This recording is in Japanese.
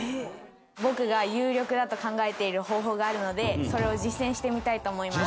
僕が有力だと考えている方法があるのでそれを実践してみたいと思います。